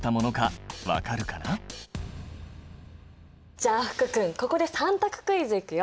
じゃあ福君ここで３択クイズいくよ。